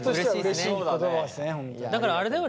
だからあれだよ